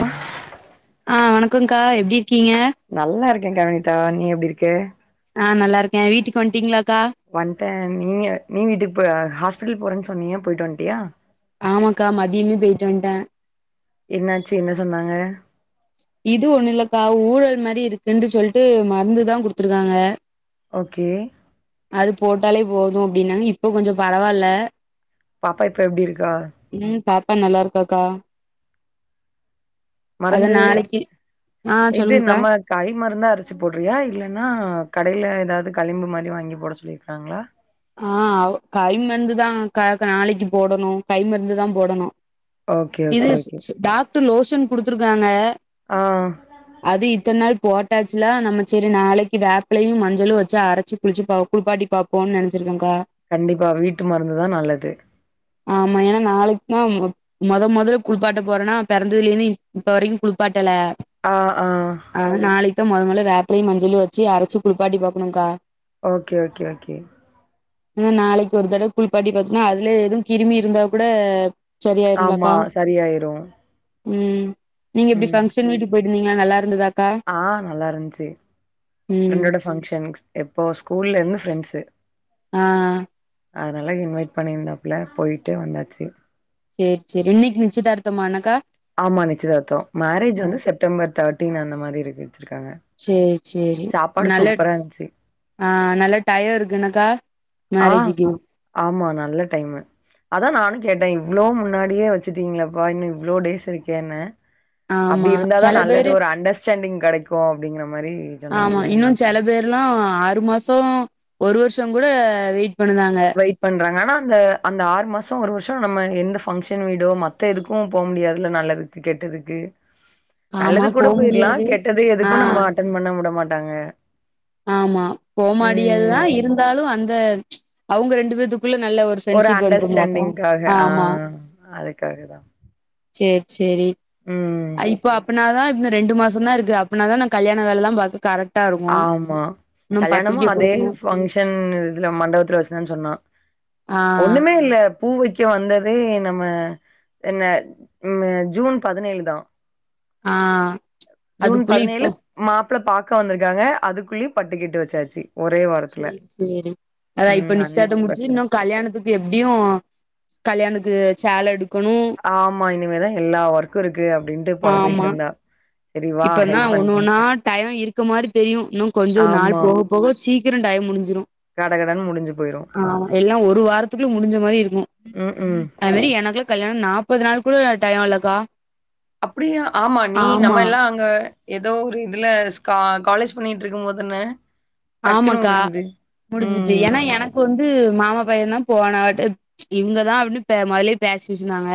ஆ ஆ வணக்கோக்கா எப்டி இருக்கீங்க நல்லா இருக்கே கவினிதா நீ எப்டி இருக்க ஆ நல்லா இருக்கே வீட்டுக்கு வன்ட்டிங்களா வன்ட்டே நீங்க நீ வீட்டுக்கு போ ஹாஸ்பிட்டல் போறேன்னு சொன்னியே போயிட்டு வன்ட்டியா ஆமாக்கா மதியமே போயிட்டு வன்ட்டே என்னாச்சு என்ன சொன்னாங்க இது ஒண்ணு இல்லக்கா ஊழல் மாரி இருக்குன்னு சொல்ட்டு மருந்துதா குடுத்துருக்காங்க ஓகே அது போட்டாலே போது அப்டின்னாங்க இப்ப கொஞ்சோ பரவால்ல பாப்பா இப்ப எப்டி இருக்கா இப்ப நல்லா இருக்காக்கா அது மருந்து நாளைக்கி இது நம்ம கை மருந்தா அரைச்சு போட்றியா இல்லன்னா கடைல எதாவது களிம்பு மாரி வாங்கி போட சொல்லிருக்காங்களா ஆ கை மருந்துதா நாளைக்கு போடணு கை மருந்துதா போடணு ஓகே ஓகே இது ஓகே டாக்டர் லோசன் குடுத்துருக்காங்க ஆ அது இத்தன் நாள் போட்டாச்சுல நம்ம செரி நாளைக்கு வேப்பிலையு மஞ்சளு வெச்சு அரைச்சு குளிச்சு பா குளிப்பாட்டி பாப்போனு நினை பா கண்டிப்பா வீட்டு மருந்துதா நல்லது ஆமா ஏன்னா நாளைக்குதா மொத மொதல்ல குளிப்பாட்ட போறேன்னா பிறந்ததுலந்து இப்ப வரைக்கு குளிப்பாட் டல ஆ ஆ அ நாளைக்குதா மொத மொதல்ல வேப்பிலையு மஞ்சளு வச்சு அரைச்சு குளிப்பாட்டி பாக்கணுங்கா ஓகே ஓகே ஓகே இன்னு நாளைக்கு ஒரு தடவ குளிப்பாட்டி பாத்தோம்னா அதுல எதுவு கிருமி இருந்தா கூட ஆமா சரியாயிரும்லக்கா சரியாயிரு ம் நீங்க எப்டி ம் ஃபங்க்ஷன் வீட்டுக்கு போயிட்டு வந்தீங்களா நல்லா இருந்ததா ஆ நல்லா இருன்ச்சு ம் ஃப்ரெண்டோட பங்க்ஷன் எப்போ ஸ்கூல்ல இருந்து ஃப்ரெண்ட்ஸு ஆ அதுனால இன்வைட் பண்ணியிருந்தாப்புல போய்ட்டு வந்தாச்சு சேரி சேரி இன்னைக்கு நிச்சயதார்த்தமா என்னக்கா ஆமா நிச்சயதார்த்தோ மேரேஜ் வந்து செப்டம்பர் தேர்ட்டீன் அந்த மாரி இருக்கு வச்சிருக்காங்க. சேரி சேரி சாப்பாடு நல்ல சூப்பரா இருந்துச்சு. ஆ நல்லா டையோ இருக்கு என்னக்கா ஆ மேரேஜூக்கு ஆமா நல்ல டைமு அதா நானு கேட்டே இவ்ளோ முன்னாடியே வெச்சுட்டீங்களேப்பா இன்னு இவ்ளோ டேஸ் இருக்கேன்னு அப்டி ஆமா இருந்தாதா செல பேரு நல்லது ஒரு அண்டர்ஸ்டாண்டிங் கெடைக்கூ அப்டிங்கற ஆமா இன்னுந்ச் செல பேர்ல்லா ஆறு மாசோ ஒரு வருஷங் கூட வெயிட் பண்ணுதாங்க வெயிட் பண்ராங்க ஆனா அந்த அந்த ஆறு மாசோ ஒரு வருஷ உட்டா நம்ம எந்த ஃபங்க்ஷன் வீடோ மத்த எதுக்கும் போக முடியாதுல நல்லதுக்கு கெட்டதுக்கு ஆமா போ நல்லதுக்கூட போய்ர்லா முடியாது கெட்டது ஆ எதுக்கு நம்ம அட்டன் பண்ண விட மாட்டாங்க ஆமா போமாடியது ம். தா இருந்தாலு அந்த அவுங்க ரெண்டு பேத்து குல்ல நல்ல ஒரு ஃப்ரெண்ட்ஷிப் வந்துருங்களாக்கூ அண்டர்ஸ்டாண்டிங்காக ஆ ஆமா அதுக்காக தான் செர் செரி ம் அ இப்போ அப்பனாதா இன்னு ரெண்டு மாசம் சொன்னா இருக்கு அப்பனா தா நா கல்யாண வேலைலாம் பாக்க கரெக்டா இருக்கூ ஆமா கல்யாணமு அதே ஃபங்க்ஷன் இதுல மண்டபத்துல வச்சிருந்தனு சொன்னா ஆ ஒண்ணுமே இல்ல பூவைக்க வந்ததே நம்ம என்ன ம் ஜூன் பதினேலு தா ஆ ஜூன் அதுக்குள்ள இப்போ பதினேழு மா மாப்ள பாக்க வந்திருக்காங்க அதுக்குள்ளயும் பட்டுகிட்டு வச்சாச்சி சேரி சேரி அதா இப்ப ம் நிச்தார்த்தம் முடிச்சு அன்எக்ஸ்பெக்டடா இன்னு கல்யாணத்துக்கு எப்டியு கல்யாணுக்கு சேல எடு ஆமா இனிமேதா எல்லா ஒர்க்கு இருக்கு அப்டின்ட்டு ஆமா பொலம்பிட்ருந்தா இப்பந்தா ஒன்னு ஒன்னா டையோ இருக்க மாரி தெரியு இன்னு கொஞ்சம் நாள் ஆமா போக போக சீக்கிரோ டைம் முடிஞ்சிரூ கட கடன் ஆ எல்லா ஒரு வாரத்துக்குள்ள முடிஞ்ச மாறி இருக் உ ம் ம் அது மேரி எனக்குல்லா கல்யாண நாப்பது நாள் கூட டயோ இல்லக்கா அப்டியா ஆமா நீ ஆமா நம்ம எல்லா அங்க ஏதோ ஒரு இதுலஸ் கா காலேஜ் பண்ணிட்டு இருக்கும் போது தான்ன ஆமங்க்கா முடிஞ்சுட்டு ஏன்னா ம். எனக்கு வந்து ந்து மாமா பையன் தா போன வாட்டு இவுங்கதா அப்டின்னு பே மொதல்லே பேசி வச்சிருந்தாங்க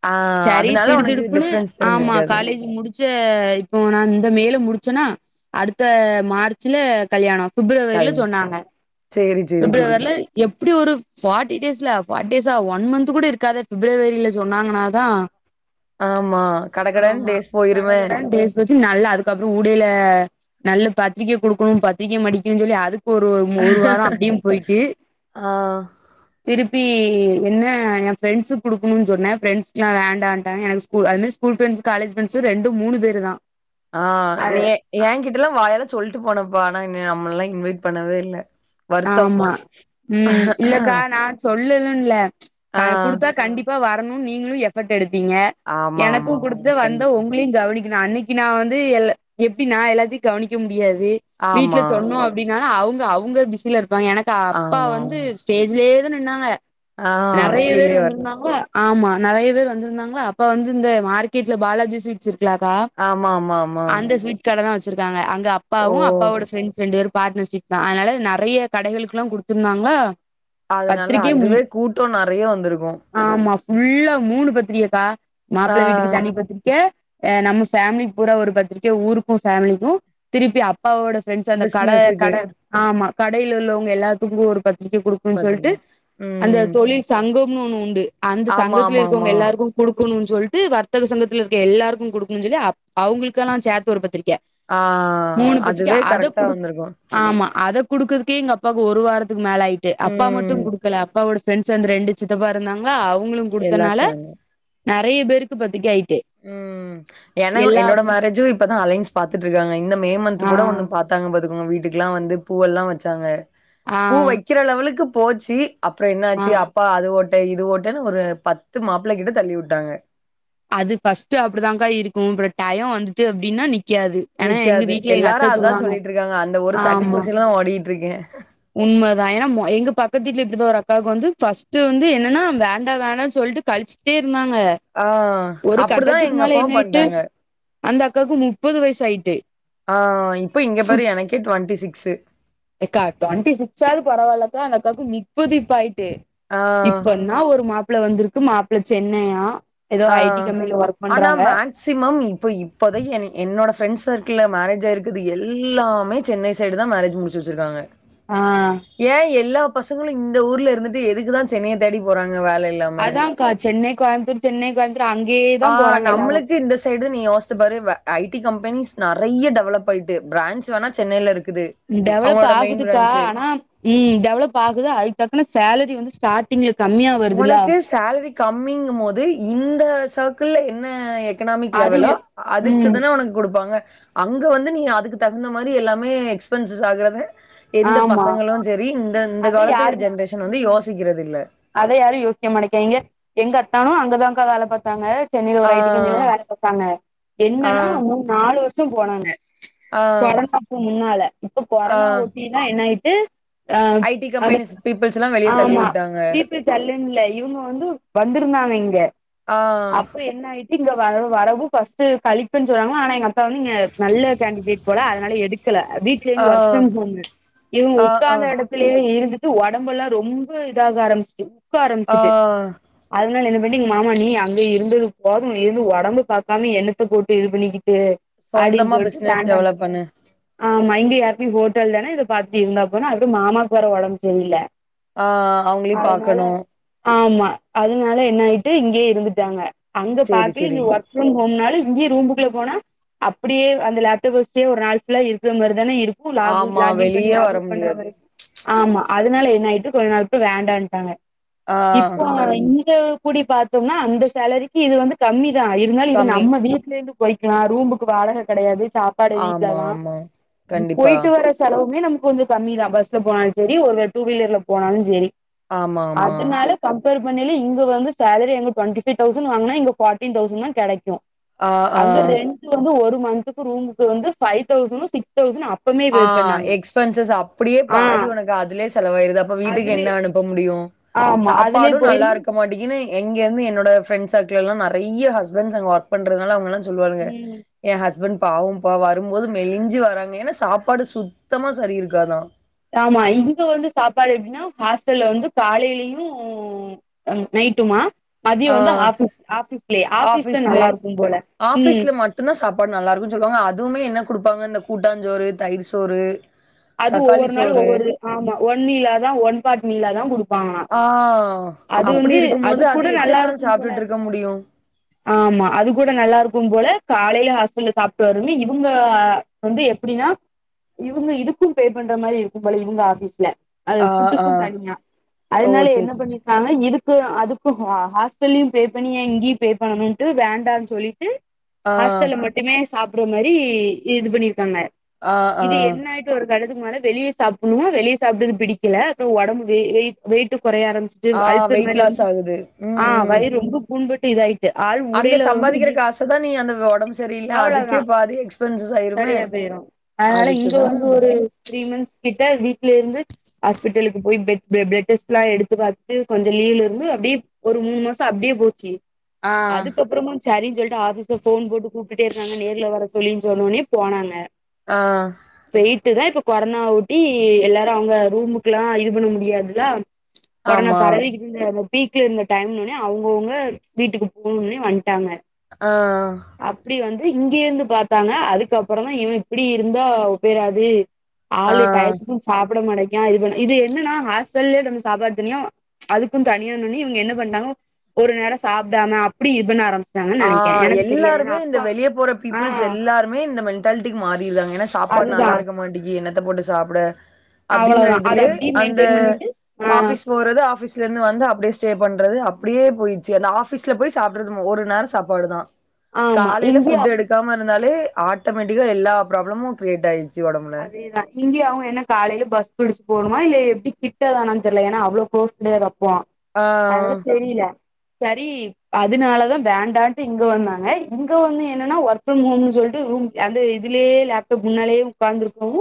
ஆ சரி அதனால திடு உனக்கு திடுப்புன்னு டிஃபரன்ஸ் ஆமா தெரிஞ்சிருக்காது. காலேஜ் முடிச்ச இப்போ நா இந்த மேல முடிச் சொன்னா அடுத்த மார்ச்ல கல்யாணம் பிப்ரவரில கல்யாணம். சொன்னாங்க சரி, சரி, சரி. பிப்ரவரில எப்டி ஒரு ஃபாட்டி டேஸ்ல ஃபாட்டி டேஸ்சா ஒன் மந்த் இப்ப கூட இருக்காத பிப்ரவரில சொன்னாங்கனாதா ஆமா. கடகடன்னு ஆமா டேஸ் போயிருமே. கடகடன் டேஸ் ட்டு நல்லா அதுக்கப்ரோ ஊடைல நல்ல பத்திரிக்க குடுக்குனு பத்திரிக்க மடிக்கனுஞ்சொல்லி அதுக் ஒரு ஒரு மு ஒரு வாரொ அப்டியும் போயிட்டு ஆ. திருப் பி என்ன என் ஃப்ரரெண்ட்ஸ்க் குடுக்குணுன் சொன்ன ஃப்ரெண்ட்ஸ்க்லா வேண்டான்டாங்க எனக்கு ஸ்கூல் அது மாறி ஸ்கூல் ஃப்ரெண்ட்ஸ் ட்ஸு காலேஜ் ஃப்ரெண்ட்ஸு ரெண்டு மூணு பேரு தா ஆ நீ அது எ ஏன் கிட்டல்லா வாயால சொல்ட்டு போனப்பா ஆனா நம்மலலா இன்வைட் பண்ணவே இல்ல வருத்தம். ஆமா ம் இல்லக்கா நா சொல் லலுன் இல்ல ஆ. க குடுத்தா கண்டிப்பா வரணுன் நீங்ளு எபர்ட் எடுப் பிங்க ஆமா, எனக்கூ ஆமா, ஆமா. குடுத்து வந்த கண்டிப்பா. உங்களயு கவனிக்க கனு அன்னைக்கி நா வந்து எல்ல எப்டின்னா எல்லாத்தயு கவனிக்க முடியாது வீட்ல ஆமா. சொன்னோ அப்டின்னா ஆ அவுங்க அவுங்க பிஸில இருப்பாங்க எனக்கு அப்பா ஆமா, வந்து ஆமா. ஸ்டேஜ்லயே தான் நின்னாங்க ஆ நறயபேர் கீழயே வரல. வந்திருந்தாங்ளா ஆமா நறயபேர் வந்திருந்தாங்ளா அப்ப வந்து இந்த மார்க்கெட்ல பாலாஜி ஸ்வீட்ஸ் இருக்கு குல்லக்கா ஆமா, ஆமா, ஆமா. அந்த ஸ்வீட் கட தா வச் சிருக்காங்க அங்க ஓ அப்பாவு அப்பாவோட ஃபிரெண்ட்ஸ் ரெண்டு பேரும் பார்ட்னர்ஷிப் தான் அதனால நா றைய கடைகளுக்குலா குடுத்துருந்தாங்ளா அதனால அதுவே கூட்டோ நறைய வந்திருக்கூ ஆமா ஃபுல்லா மூணு பத்திரியக்கா ஆ மாப்ள வீட்டுக்கு தனி பத்திரிக்க எ நம்ம ஃபேமிலி பூரா ஒரு பத்திரிக்க ஊருக்கு ஃபேமிலிக்கு திருப்பி அப் அப்பாவோட ஃப்ரெண்ட்ஸ் அந்த கட பிசினஸுக்கு கட ஆமா கடைல உள்ளவங்க எல்லாத்துக்கு ஒரு பத் திரிக்க குடுக்குனு சொல்ட்டு பாத்திருக்கே அந்த ம் தொழில் சங்கம்னு ஒன்னு உண்டு அந்த ஆமா சங்கத்துல ஆமா இருக்கவுங்க ஆமா எல்லாருக்கு குடுக் க்குனு சொல்ட்டு வர்த்தக சங்கத்துலருக்க எல்லாருக்கு குடுக்குனு சொல்லி அவுங்களுக்கெல்லா சேத்து ஒரு பத்திரிக் க ஆ மூணு பத்திரிக்க அதுவே அத கரெக்டா குடுக் வந்திருக்கு ஆமா அத குடுக்கறதுக்கே எங்க அப்பாக்கு ஒரு வாரத்துக்கு மேல ஆயிட்டு அப்பா மட்டு ம் குடுக்கல அப்பாவோட ஃப்ரன்ட்ஸ் அந்த ரெண்டு சித்தப்பா இருந்தாங் அவங்களு எல்லா குடுத்தனால சேனல் நறைய பேருக்கு பத்திக்கை ம் ஏன்ன என்னோட மேரேஜு இப்பதா அலைன்ஸ் பாத்துட்டு இருக்காங்க இந்த மே மன்த் ஆ கூட ஒண்ணு பாத்தாங்க பாத்துகோங்க வீட்டுக்குலா வந்து பூவெல்லா வச்சாங்க பூ ஆ வைக்கிற லெவலுக்கு போச்சு அப்புற என்ன ஆச்சு அப்பா அது ஒட் ட இது ஓட்டன்னு ஒரு பத்து மாப்ள கிட்ட தள்ளிவுட்டாங்க அது ஃபஸ்ட்டு அப்டிதாக்கா இருக்கு அப்புற டயோ வந்துட்டு அப்டின்னா நிக் க்காது ஏனா எங்க நிக்காது வீட்ல எங்க எல்லாரு அத்த அதா சொல்வாங்க சொல்லிட்ருக்காங்க அந்த ஒரு ஆமா சாட்டிஸ்ஃபேக்ஷன்ல தா ஓடிட்ருக்கே உண்மதா ஏனா எங்க பக்கத்தீட்ல இப்டிதா ஒரு அக் அக்காவுக்கு வந்து ஃபஸ்ட் வந்து என்னன்னா வேண்டா வேணானு சொல்ட்டு கழிச்சுட்டே இருந்தாங்க அ ஒரு அப்புடிதா கட்டத்துக்கு மேல எங்கப்பாவு என்ன ஆயிட்டு பண்டாங்க அந்த அக்காவுக்கு முப்பது வயசு ஆயிட்டு ஆ இப்ப இங்கப் பாரு எனக்கே டுவெண்டி சிக்ஸு எக்கா டொண்ட்டி சிக்ஸாது பரவாலக்கா அந்தக்காக்கு முப்பது இப்ப ஆய் ஆ இப்பன்னா ஒரு மாப்ள வந்துருக்கு மாப்ள சென்னையா ஏதோ ஆ ஐ டி கம்பெனில ஒர்க் ஆனா பண்றாங்க மேக்சிமம் இப்ப இப்போதைக்கி என் என்னோட ஃப்ரெண்ட் சர்க்கில்ல மேரேஜ் ஆய்ருக்கது எல்லாமே சென்னை சைடுதா மேரேஜ் முடிச்சி வெச்சுருக்காங்க ஆ ஏ எல்லா பசங்களு இந்த ஊர்ல இருந்துட்டு எதுக்குதா சென்னைய தேடி போறாங் அதான்க்கா சென்னை கோயம்முத்தூர் சென்னை கோயம் ஆ நம்ளுக்கு இந்த சைடு நீ யோஸ்த்து பாரு ஐ டி கம்பெனிஸ் நறைய டெவலப்பாயிட்டு பிரான்ச் வேணா சென்னைல இரு டெவலப் ஆகுதுக்கா ஆனா ம் டெவலப்பாகுது அதுக் தக்குன்ன சாலரி வந்து ஸ்டா உனக்கு சேலரி கம்மிங்கும் போது இந்த சர்க்கிள்ள என்ன எக்கனாமிக் அது லெவளோ ம் அதுக்குத்தான உனக்கு குடுப்பாங்க அங்க வந்து நீ அதுக்கு தகுந்த மாரி எல்லாமே எக்ஸ்பென்சிஸ் ஆகுறத எந்த ஆமா பசங்களு செரி இந்த இந்த அது காலத்து யாரு ஜென்ரேஷன் வந்து ம் யோசிக்றது இல்ல அத யாரு யோசிக்க மாட்டேக்கெங்க எங்க அத்தானு அங்கதான்க்கா வேல பாத்தாங்க சென்னைல ஒரு ஆ ஐ டி கம்பெனிலதா வேல பாத்தாங்க ஆ என்னன்னா மு நாலு வருஷம் போனாங்க ஆ கொரோனாக்கு முன்னால இப்ப ஆ கொரோனா ஒட்டிதா என்னாயிட்டு ஆ ஐ டி அதுக் கம்பெனிஸ் பீப்புள்ஸ் எல்லா வெளிய தள்ளி ஆமா விட்டாங்க பீப்பிள் தல்லுனுல்ல இவுங்க வந்து வந்திருந்தாங்க இங்க ஆ அப்போ என்னாயிட்டு இங்க வர வரவு ஃபர்ஸ்ட் களிப்புனு சொன்னாங்க ஆனா எங்க அத் தான் வந் நீங்க நல்ல கேண்டிடேட் போல அதனால எடுக்கல ஆ வீட்லேந்து ஒர்க்ஃப்ரம் ஹோம்மு இவுங்க ஆ ஆ உக்காந்த எடத்துலயே இருந்து த்து ஒடம்பல்லா ரொம்ப இதாக ஆரம்பிச்டு உக்க ஆ ஆரம்மிச்சிட்டு அதுனால என்ன ன்டு எங்க மாமா நீ அங்க இருந்தது போது இருந்து ஒடம்பு பாக்காம எண்ணத்த போட்டு இது பண்ணிக்கி ஏ அப்டின்னு சொந்தமா சொல்ட்டு பிசினஸ் வேண்டா டெவலப் பண்ணு ஆமா இங்கி எப்பயு ஹோட்டல் தான பாத்தி இருந்தாப்பனா அப்டியே மாமாக் வேர ஒடம்பு செரில ஆ அவங்களையு அதுனால பாக்கணு ஆமா அதுனால என்னா ஆயிட்டு இங்கயே இருந்துட்டாங்க அங்க சேரி பாக்கல இங்க சேரி ஒர்க் ஃப்ரம் ஹோம்னால இங்கயு ரூம்புக்குள்ள போனா அப்டியே அந்த லேப்டாப்ப வஸ்டே ஒரு நாள் ஃபுல்லா இருக்கிற மாரிதானே இரு க்கு லாகு ஆமா லாகின் பண்ணி வெளியே வர லாகொட் முடியாது பண்றமாரி ஆமா அதுனால என்னாயிட்டு கொஞ்ச நாள் விட்டு வேண்டான்ட்டாங்க ஆ இப்போ கூடி பாத்தோம்னா அந்த சேலரிக்கு இது வந்து கம்மி தா இருந்தாலு இது கம்மி நம்ம வீட்லேந்து போய்க்லா ரூமுக்கு வாடக கெடையாது சாப்பாடு ஆமா வீட்லதா ஆமா கண்டிப்பா பொய்ட்டு வர செலவுமே நமுக் கொஞ்ச கம்மி தா பஸ்ல போனாலு செரி ஒரு வெ டூவீலர்ல போனாலுஞ்செரி ஆமா ஆமா பேரு பண்ணய்லி இங்க வந்து சேலரி அங்க டொண்ட்டிஃபைவ் தௌசண் வாங்குனா இங்க ஃபார்டீன் தௌசண் தா கெடைக்கு ஆ ஆ அங்க ரெண்ட்டு வந்து ஒரு மந்த்துக்கு ரூமுக்கு வந்து five thousand six thousand up ஆ எக்ஸ்பென்சஸ் அப்புடியே ஆ பாதி ஒனக்கு அதுலே செலவாயிருது அப்ப வீட்டுக்கு அதுலயே என்ன அனுப் ப முடியு ஆமா அதுலயே சாப்பாடு போயிருமா நல்லாருக்க மாட்டுகினு எங்கொர்ந்து என்னோட ஃப்ரெண்ஸ்ஸ டக்லல்லா நறைய ஹஸ்பண்ஸ் அங்க ஒர்க் பண்றத்னால அவுங்கல்லா சொல்லுவாளுக ம் ஏ ஹஸ்பண் பாவம்பா வரும்போது மெலிஞ்சு வராங்க ஏன்னா சாப்பாடு சுத்தமா சரி இருக்காதா ஆமா இங்க வந்து சாப்பாடு எப்டினா ஹாஸ்டல்ல வந்து காலைலியு நைட் ட்டுமா மதிய ஆ வந்து ஆஃபீஸ் ஆஃபீஸ்லே ஆஃபீஸ்ல நல்லாருக்கு போல ம் கு சொல்வாங்க அதுவுமே என்ன குடுப்பாங்க இந்த கூட்டாஞ்சோறு தயிர் சோறு அது தக்காளி ஒவ்வொரு சோறு நாளு ஒவ்வொரு ஆமா ஒன் வீலாதா ஒன் பாட் மீலாதா குடுப்பாங்ளா ஆ அது அப்டி வந்து இருக்கும்போது அதுக் அது கூட நா எத்தன் நாள் எல்லாருக்கு போல சாப்ட்டுட்டு இருக்க முடியு ஆமா அது கூட நல்லாருக்கு போல காலைல ஹாஸ்ட்டல்ல சாப்ட்டு வருன்னு இவுங்க வந்து எப்புடினா இவுங்க இதுக் கு பே பண்ற மாரி இருக்கு போல இவுங்க ஆஃபீஸ்ல அது ஆ ஆ ஃபுட்டுக்கு தனியா ஓ அதுனால சேரி என்ன சேரி பண்ணிர்க்காங்கனா இதுக் கு அதுக்கு ஹா ஹாஸ்ட்டல்யு பே பண்ணி ஏ இங்யு பே பண்ணணுன்ட்டு வேண்டான் சொல்லிட்டு ஆ ஹாஸ்ட்டல்ல மட்டுமே சாப்புற்ற மரி இது பண்ணிருக்காங்க ஆ ஆ வெலதுக்னாலே வெளியே சாப்புனு வெளிய சாப்ட்றது பிடிக்கல டூ ஒடம்பு வெய் வெய்ட் வெய்ட்டுப் கொறை ஆரமிச்சிட்டு ஆ அல்சர் வெயிட் மேரி லாஸ் வந்து ஆகுது ஆ வயிற் ரொம்ப புண்பட் அங்த சம்பாதிக்கிற காசதா நீ அந்தவ்வ ஒடம் சரியில்யா அதுக்கே பாதி எக்ஸ்பென்சிஸ் ஆயிருமே பெய்ரு அத்னால இங்க அதுக்குதா வந்து ஒரு த்ரீ மந்த்ஸ் கிட்ட வீட்லேர்ந்து ஹாஸ்பிட்டலுக் போய் பெட் ப்ளே ப்ளட்டெஸ்ட்லா எடுத்து பாத்ட்டு கொஞ்ச லீ்வ்லிருந்து அப்டே ஒரு மூண் மாச அப்டே போச்சு ஆ அதுக்கப்றமு சரின் சொல்ட்டு ஆஃபீஸ்ல ஃபோன் போட்டு கூப்டுட்டே இர்க்காங்க நேர்ல வரஸ் சொல்லின் சொன்னோனே போனாங்க ஆ பெய்ட்டு தா இப்ப கொரனா ஒட்டி எல்லாரு அவுங்க ரூமுக்குலா இது பண்ண முடியாதுல கொரனா ஆமா பறவிக்கிட்ருந்த அந்த பீக்ல இருந்த டைம்னோனே அவுங்கொவ்ங்க வீட்டுக்கு போணுனே வண்ட் டாங்க ஆ அப்டி வந் இங்கேர்ந்து பாத்தாங்க அதுக்கப்பறந்தா இவு இப்புடி இருந்தா ஒப்பேறாது ஆ ஆளு டயத்துக்கு சாப்புட மாட்டேங்கா இவன இது என்னனா ஹாஸ்டல்லே நம்ம சாப்பாடு தனியு அதுக்கு தனியான்னோனே இவுங்க என்ன பண்டாங்க ஒரு நேர சாப்டாம அப்புடி இத்பண்ண ஆரம்ச் ஆ எல்லாருமே இந்த வெளிய போற ஆ பீப்புள்ஸ் எல்லாருமே இந்த மென்டால்ட்டிக்கு மாறிர்தாங்க ஏனா சாப்பாட் அதுதா நல்லாருக்க மாட்டுகி என்னத்த போட்டு சாப்புட அப்டிங்கிற அவ்ளோதா அத இதுலே அப்டியே அந்த மெயின்டெயின் பண்ணிட்டு ஆ ஆஃபீஸ் போறது ஆஃபீஸ்லேர்ந்து வந்து அப்டே ஸ்டே பண்றது அப் ப்டியே போயிர்ச்சி அந்த ஆஃபிஸ்ல போய் சாப்ட்றதுமு ஒரு நேர சாப்பாடு தா ஆமா காலைல இங்கயு ஃபுட் எடுக்காம இருந்தாலே ஆட்டமேட்டிக்கா எல்லா ப்ராப்ளமு க்ரியேட் ஆயிற் அதேதா இங்யு அவுங்க என்ன காலைல பஸ் புடிச் போணு மா இல்ல எப்டி கிட்டதானான் தெர்ல ஏனா அவ்ளோ க்ளோஸ் கிடயாதாப் புவா ஆ அதுனால தெரிய்ல சரி அதுனாலதா வேண்டான்ட்டு இங்க வந்தாங்க இங்க வந்து என்னனா ஒர்க் ப்ரம் ஹோம்னு சொல்ட்டு ரூம் யந்து இதுலுயே லேப்டோப் முன்னாலே உக்காந்து இர்க்கவு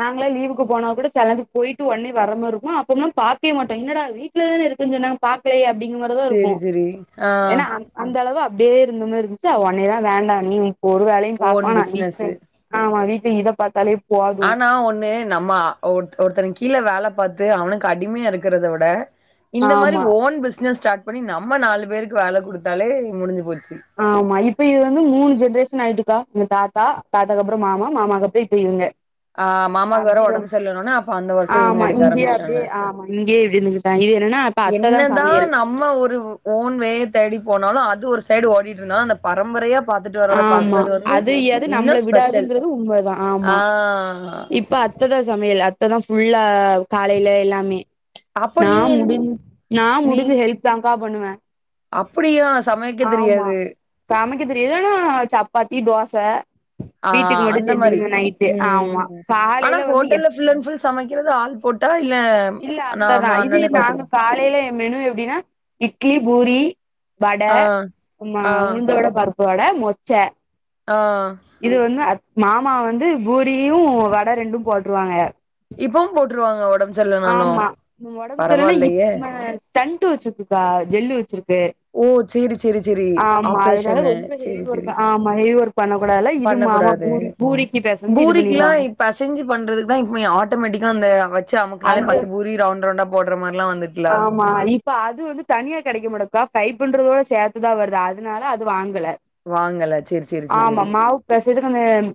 நாங்ளா லீவுக்கு போனா கூட செலஞ்சி பொய்ட்டு ஒன்னே வர்ரமர் இருக்கு அப்போம்னா பாக்யே மாட்டே என்னடா வீட்ல தான இருக் கொஞ்ச நாங் பாக்லயே அப்டிங்க மரிதா இருக்கு சேரி சேரி ஆ ஏனா அந் அந்தளவா ப்டே இருந்த மேர் இருந்ச்சா ஒன்னேதா வேண்டா நீ இப் ஒரு வேலையு பாக் ஓன் வாணா வீட்ல பிசினஸ் ஆமா வீட் தி இத பாத்தாலே போது ஆனா ஒன்னு நம்ம அ ஒருத் ஒருத்தனுக் கீல வேலப் பத்து அவனுக்கு அடிம்யா இருக்கறத உட இந்த மாரி ஆமா ஓன் பிஸ்னஸ் ஸ்டாட் பனி நம்ம நாலு பேருக்கு வேல குடுத்தாலே முடிஞ்சு போச்சு ஆமா இப்ப இது வந்து மூணு ஜென்ரேஷுன் ஆயிட்டு தா எங்க தாத்தா தாத்தாக் அப்புற மாமா மாமாக் அப்ப இப்ப இவுங்க ஆ மாமாக்கு வேற அப்டிவம் ஒடம்பு சரியில்லனோனே அப்ப அந்த ஒர்க்க இவங்க ஆமா எடுக்க இங்கியு ஆரம்பிச்சிட்டாங்க அப்டே ஆமா இங்கே இப்டி இர்ந்துங்கிட்டாய் இது என்னனா என்னதா நம்ம ஒருவ் ஓன் வேய தேடி போனா அது ஒரு சைடு ஓடிட் இருந்த அந்த பரம்பரையா பாத்துட்டு வர்றத ஆமா பாக்குறது வந்து அது எது இன்னு நம்மள ஸ்பெஷல் விடாதுங்கிறது உண்மதா ஆ ஆமா இப்ப அத் அத்ததா சமயல் அத்ததா ஃபுல்லா காலையில எல்லாமே அப்ப நா நீ என் முடிஞ் நா முடிஞ்ச ஹெல்ப் தாங்கா பண்ணுவே அப்புடியா சமைக்க தெரியாது க்க தெரியலனா சப்பாத்தி தோச ஆ வீட்டுக்கு மட்டு அந்த மாரி செஞ்சுக்குவே நைட்டு ஆமா ம் அனா காலையில வந்து எப் ஹோட்டல்ல ஃபுல் அண் ஃபுல் சமைக் கிறது ஆள் போட்டா இல்ல இல்ல அத்ததா நாம இதி அண்ணனே நாங்க பாத்துக்கிறோ காலைலே மெனு எப்டினா இட்லி பூரி வட ஆ உம்மா ஆ உளுந்த வட பருப்பு வட மொச்ச ஆ இது வந்து அத் மாமா வந்து பூரியு வட ரெண்டு போட்டுருவாங்க ட்ருவாங்க ஒடம் ஆமா ஒடம் சொல்லன்னா இப் ம ஸ்டண்ட்டு வச்சிர்க்குக்கா ஜெல்லு வச்சிருக் ஓ சேரி சேரி சேரி ஆமா அதனால ஆப்ரேஷனு ரொம்ப ஹெவி சேரி ஒர்க் சேரி ஆமா ஹெவி ஒர்க் பண்ண கூடாதுல இது மாமா பண்ணக்கூடாது பூரி பூரிக்கு பெசஞ்சு இது பூரிக்கிலா பண்ணிருவாங்க இப் பெசஞ்சி பண்றதுக் தா இப் மே ஆட்டமேட்டிக் இதா அந்த வச் அந்து மாரிலா வந்துட்லா ஆமா நீப்பா அது வந்து தனியா கெடக்க மடக் கா டைப்பன்றதோட சேத்துதா வருது அதுனால அது வாங் வெல வாங்கல சேரி சேரி சேரி ஆமா சேரி மாவு பெசயற்கு அந்தே